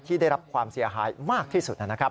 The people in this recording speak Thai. ได้รับความเสียหายมากที่สุดนะครับ